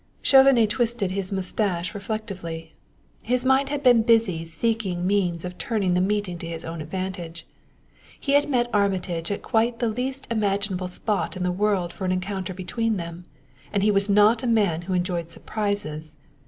Chauvenet twisted his mustache reflectively. His mind had been busy seeking means of turning the meeting to his own advantage. He had met Armitage at quite the least imaginable spot in the world for an encounter between them; and he was not a man who enjoyed surprises.